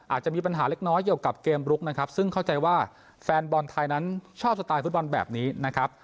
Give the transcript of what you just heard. อาจจะมีปัญหาเล็กน้อยเกี่ยวกับเกมลุกนะครับซึ่งเข้าใจว่าแฟนบอลไทยนั้นชอบสไตล์ฟุตบอลแบบนี้นะครับ